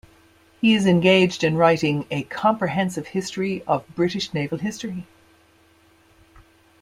He is engaged in writing a comprehensive history of British naval history.